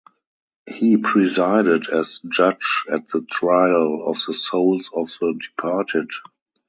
He presided as judge at the trial of the souls of the departed.